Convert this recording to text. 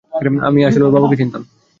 আসলে আমি ওর বাবাকে চিনতাম।